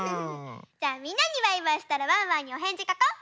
じゃあみんなにバイバイしたらワンワンにおへんじかこう。